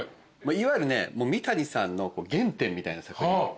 いわゆるね三谷さんの原点みたいな作品。